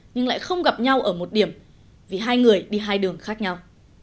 nhưng lại không gặp nhau ở một điểm vì hai người đi hai đường khác nhau